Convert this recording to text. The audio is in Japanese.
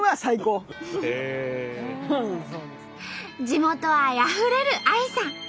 地元愛あふれるＡＩさん。